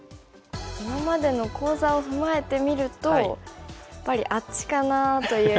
今までの講座を踏まえてみるとやっぱりあっちかなという。